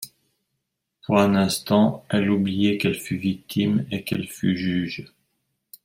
Pour un instant, elle oubliait qu’elle fût victime et qu’elle fût juge.